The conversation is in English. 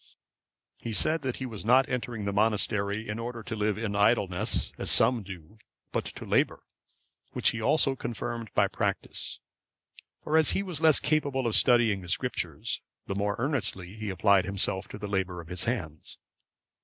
He said that he was not entering the monastery in order to live in idleness, as some do, but to labour; which he also confirmed by practice; for as he was less capable of studying the Scriptures, the more earnestly he applied himself to the labour of his hands.